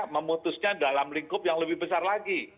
memutusnya dalam lingkup yang lebih besar lagi